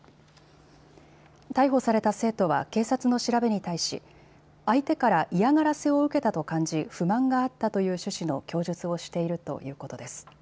逮捕された生徒は警察の調べに対し、相手から嫌がらせを受けたと感じ不満があったという趣旨の供述をしているということです。